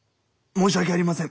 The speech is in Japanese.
申し訳ありません。